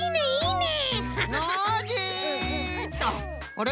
あれ？